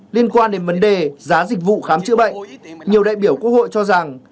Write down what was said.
liên quan đến vấn đề giá dịch vụ khám chữa bệnh nhiều đại biểu quốc hội cho rằng